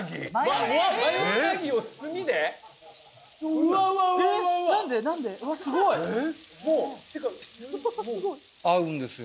うわすごい合うんですよ